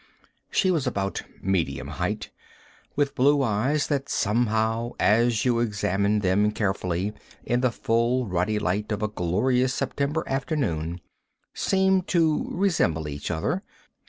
She was about the medium height, with blue eyes, that somehow, as you examined them carefully in the full, ruddy light of a glorious September afternoon, seemed to resemble each other.